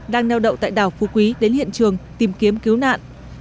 đang neo đậu tại đảo phu quý đến hiện trường tìm kiếm cứu nạn